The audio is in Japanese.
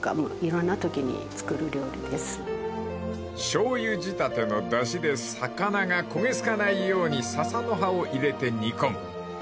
［しょうゆ仕立てのだしで魚が焦げ付かないようにササの葉を入れて煮込む］